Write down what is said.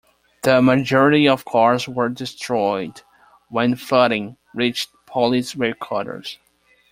The majority of cars were destroyed when flooding reached police headquarters.